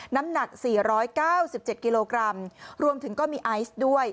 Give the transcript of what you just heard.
น้ำหนัก๔๙๗กิโลกรัมรวมถึงก็มีไอซ์ด้วย